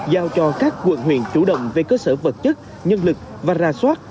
giao cho các quận huyện chủ động về cơ sở vật chất nhân lực và ra soát